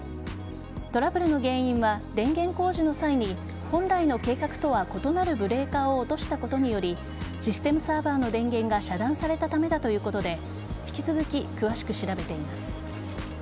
トラブルの原因は電源工事の際に本来の計画とは異なるブレーカーを落としたことによりシステムサーバーの電源が遮断されたためだということで引き続き、詳しく調べています。